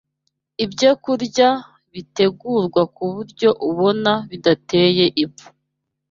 Ibyokurya bitegurwa ku buryo ubona bidateye ipfa